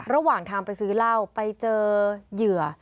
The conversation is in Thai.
ระหว่างทางไปซื้อเหล้าไปเจอเหยื่อ